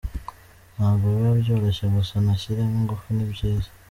Ntabwo biba byoroshye gusa nashyiremo ingufu ni byiza”.